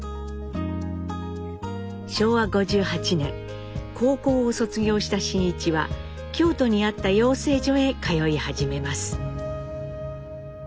昭和５８年高校を卒業した真一は京都にあった養成所へ通い始めます。